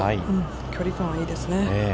距離感は、いいですね。